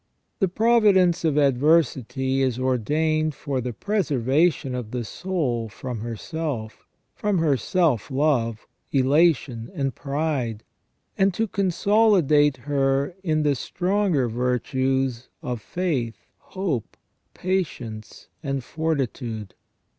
The providence of 148 SELF AND CONSCIENCE adversity is ordained for the preservation of the soul from herself, from her self love, elation, and pride, and to consolidate her in the stronger virtues of faith, hope, patience, and fortitude.